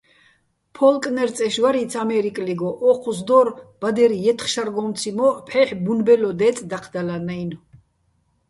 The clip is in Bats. ფო́ლკნერ წეშ ვარიც ამე́რიკლიგო, ო́ჴუს დო́რ: ბადერ ჲეთხ შარგო́მციჼ მო́ჸ, ფჰ̦ეჰ̦, ბუნბელო დე́წე̆ დაჴდალანაჲნო̆.